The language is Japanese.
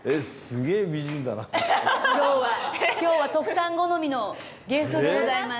今日は今日は徳さん好みのゲストでございます。